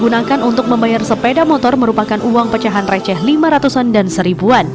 untuk membayar sepeda motor merupakan uang pecahan receh lima ratusan dan seribuan